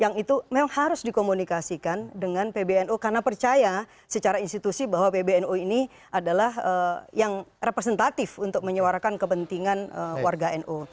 yang itu memang harus dikomunikasikan dengan pbnu karena percaya secara institusi bahwa pbnu ini adalah yang representatif untuk menyuarakan kepentingan warga nu